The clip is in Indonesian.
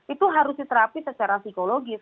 itu harus diterapi secara psikologis